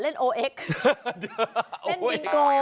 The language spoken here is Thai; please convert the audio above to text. เล่นบิงโก